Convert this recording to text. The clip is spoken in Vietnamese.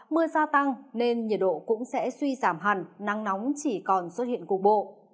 mưa gia tăng nên nhiệt độ cũng sẽ suy giảm hẳn nắng nóng chỉ còn xuất hiện cục bộ